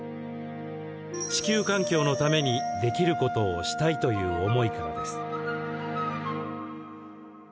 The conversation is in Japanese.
地球環境のためにできることをしたいという思いからです。